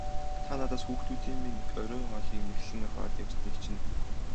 Та надаас хүүхдүүдийн минь оройн хоолыг мэхлэн аваад явсныг чинь.